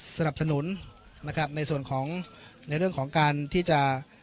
สนับสนุนในเรื่องของการที่จะ